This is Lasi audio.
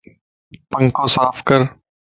پنکو صاف ڪر